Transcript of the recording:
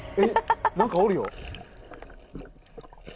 何かおるよ。